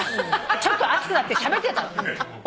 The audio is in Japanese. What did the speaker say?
ちょっと熱くなってしゃべってたの女の子たちに。